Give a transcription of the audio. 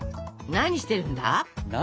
何してるんだ？